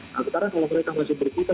nah karena kalau mereka masih berkita